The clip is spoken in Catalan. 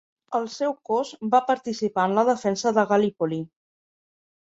El seu cos va participar en la defensa de Gallipoli.